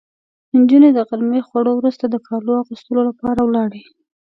نجونې د غرمې خوړو وروسته د کالو اغوستو لپاره ولاړې.